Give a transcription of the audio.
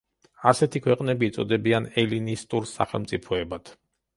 ასეთი ქვეყნები იწოდებიან ელინისტურ სახელმწიფოებად.